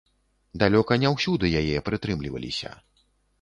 Далёка не ўсюды яе прытрымліваліся.